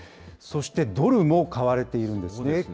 そしてドルも買われているんですね。